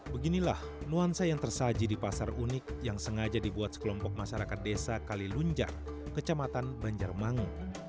beginilah nuansa yang tersaji di pasar unik yang sengaja dibuat sekelompok masyarakat desa kalilunjar kecamatan banjarmangu